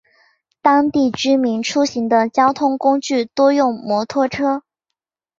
当地居民出行的交通工具多用摩托车。